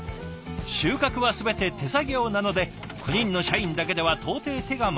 収穫は全て手作業なので９人の社員だけでは到底手が回りません。